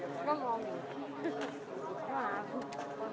เมื่อเวลาอันดับสุดท้ายเมื่อเวลาอันดับสุดท้าย